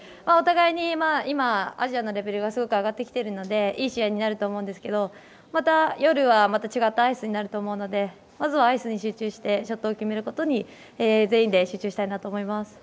お互い、アジアのレベルがすごく上がってきているのでいい試合になると思うんですがまた夜は違ったアイスになると思うのでまずアイスに集中してショットを決めることに全員で集中したいと思います。